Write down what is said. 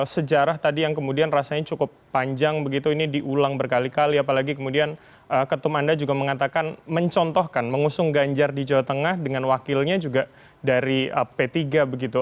sejarah tadi yang kemudian rasanya cukup panjang begitu ini diulang berkali kali apalagi kemudian ketum anda juga mengatakan mencontohkan mengusung ganjar di jawa tengah dengan wakilnya juga dari p tiga begitu